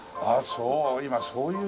ああそう。